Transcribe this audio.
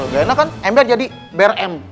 gak enak kan ember jadi brm